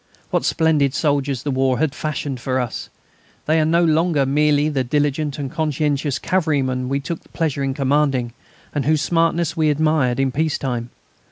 What splendid soldiers the war has fashioned for us! They are no longer merely the diligent and conscientious cavalrymen we took pleasure in commanding, and whose smartness we admired in peace time.